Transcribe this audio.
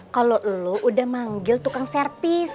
kalau lo udah manggil tukang servis